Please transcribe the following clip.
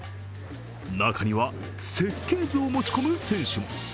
中には設計図を持ち込む選手も。